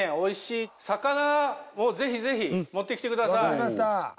分かりました。